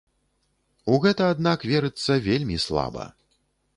У гэта, аднак, верыцца вельмі слаба.